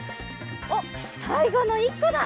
おっさいごの１こだ！